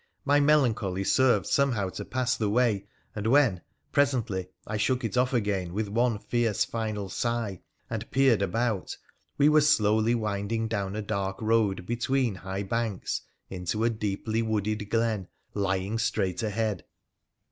My melancholy served some how to pas? ihe way, and when, presently, I shook it off again with one fierce, final sigh, and peered about, we were slowly winding down a dark road between high banks into a deeply 2 r j\ WONDERFUL ADVENTURES OF wooded glen lying straight ahead.